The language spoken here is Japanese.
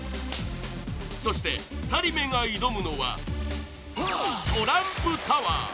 そして２人目が挑むのはトランプタワー。